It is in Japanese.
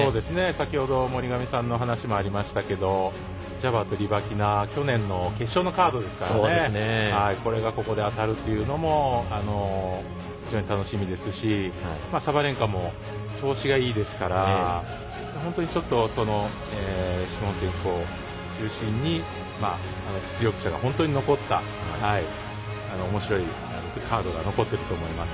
先ほど森上さんのお話がありましたがジャバーとリバキナは去年の決勝のカードですからそれがここで当たるというのも非常に楽しみですしサバレンカも調子がいいですから本当にシフィオンテクを中心に実力者が残ったおもしろいカードが残っていると思います。